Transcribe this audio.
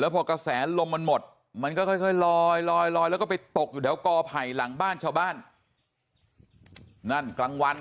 พอแสงลมหมดมันก็ค่อยลอยตกอยู่แดดหลังบ้านชาวบ้าน